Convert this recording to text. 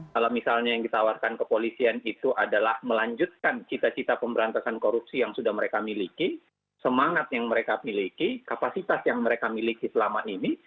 kalau misalnya yang ditawarkan kepolisian itu adalah melanjutkan cita cita pemberantasan korupsi yang sudah mereka miliki semangat yang mereka miliki kapasitas yang mereka miliki selama ini